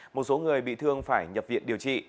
một số người bị thương phải nhập viện điều trị